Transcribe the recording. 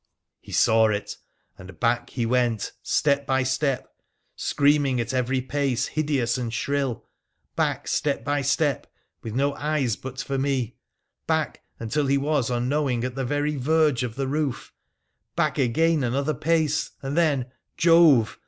He saw it, and back he went step by step, screaming at every pace, hideous and shrill ; back step by step, with no eyes but for me ; back until he was, unknowing, at the very A A 346 WONDERFUL ADVENTURES OF verge of the roof ; back again another pace — and then, Jove